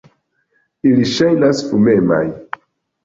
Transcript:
Ili ŝajnas fumemaj.